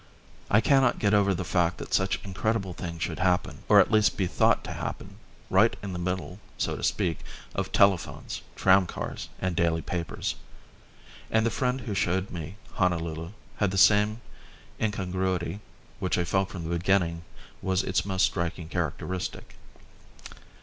I cannot get over the fact that such incredible things should happen, or at least be thought to happen, right in the middle, so to speak, of telephones, tram cars, and daily papers. And the friend who showed me Honolulu had the same incongruity which I felt from the beginning was its most striking characteristic.